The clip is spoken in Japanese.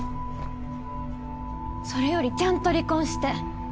それよりちゃんと離婚して。